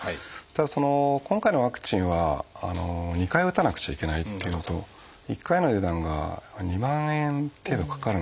ただ今回のワクチンは２回打たなくちゃいけないというのと１回の値段が２万円程度かかるので。